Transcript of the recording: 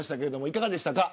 いかがでしたか。